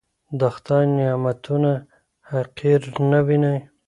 د خدای نعمتونه حقير نه وينئ.